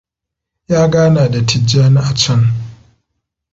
Ya gana da Tijjani a can.